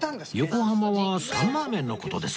横浜はサンマー麺の事ですかね？